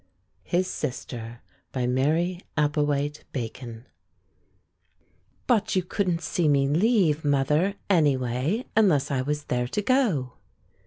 His Sister BY MARY APPLEWHITE BACON "But you couldn't see me leave, mother, anyway, unless I was there to go."